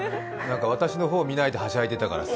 私の方を見ないではしゃいでいたから。